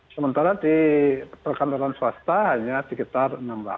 sementara di perkantoran swasta hanya sekitar enam ratus